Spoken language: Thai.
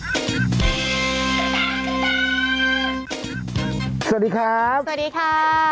สวัสดีครับสวัสดีค่ะ